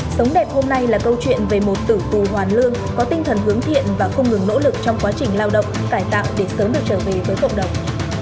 sống đẹp hôm nay là câu chuyện về một tử phù hoàn lương có tinh thần hướng thiện và không ngừng nỗ lực trong quá trình lao động cải tạo để sớm được trở về với cộng đồng